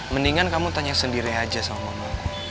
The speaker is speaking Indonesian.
mendingan kamu tanya sendiri aja sama mama